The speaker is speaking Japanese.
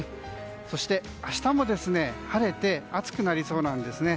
そして明日も晴れて暑くなりそうなんですね。